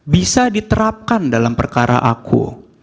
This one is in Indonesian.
bisa diterapkan dalam perkara aku